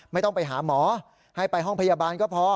ไม่ต้องไปหาหมอให้ไปห้องพยาบาลก็พอ